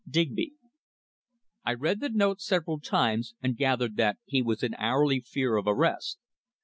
"Digby." I read the note several times, and gathered that he was in hourly fear of arrest.